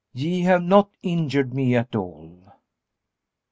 Ye have not injured me at all.